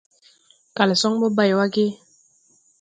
Kalsoŋ ɓɔ bay wa ge ?